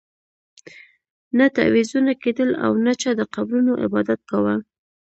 نه تعویذونه کېدل او نه چا د قبرونو عبادت کاوه.